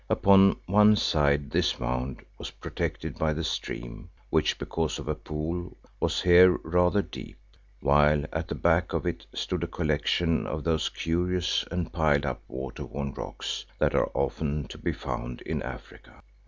Upon one side this mound was protected by the stream which because of a pool was here rather deep, while at the back of it stood a collection of those curious and piled up water worn rocks that are often to be found in Africa.